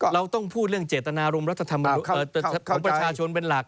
เราต้องพูดเรื่องเจตนารมรัฐธรรมของประชาชนเป็นหลัก